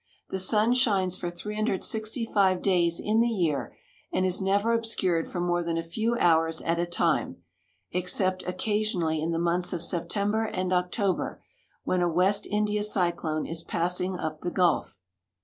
The sun shines for 365 da}"s in the year and is never obscured for more than a few hours at a time, except occasionally in the months of September and October, when a West India cyclone is passing up the gulf.